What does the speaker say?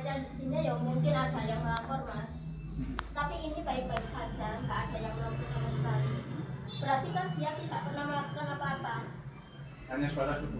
kalau keluarga sendiri percaya nggak dengan itu